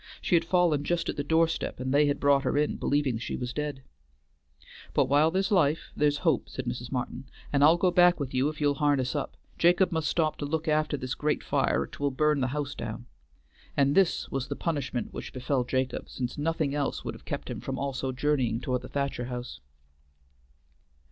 She had fallen just at the doorstep and they had brought her in, believing that she was dead. "But while there's life, there's hope," said Mrs. Martin, "and I'll go back with you if you'll harness up. Jacob must stop to look after this gre't fire or 'twill burn the house down," and this was the punishment which befell Jacob, since nothing else would have kept him from also journeying toward the Thacher house.